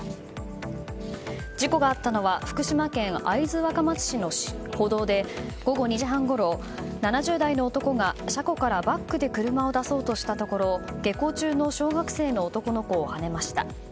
事故があったのは福島県会津若松市の歩道で午後２時半ごろ７０代の男が車庫からバックで車を出そうとしたところ下校中の小学生の男の子をはねました。